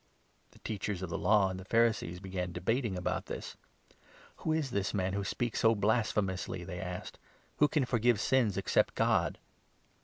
The Teachers of the Law and the Pharisees began debating 21 about this. "Who is this man who speaks so blasphemously?" they asked. " Who can forgive sins except God